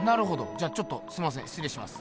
じゃちょっとすみませんしつれいします。